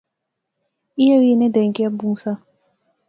ایہہ وی انیں دائیں کیا بہوں سا